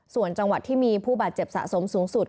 ส่วนจังหวัดที่มีผู้บาดเจ็บสะสมสูงสุด